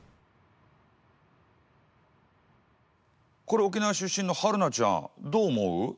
これ沖縄出身のはるなちゃんどう思う？